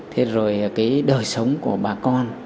thế rồi cái đời sống của bà con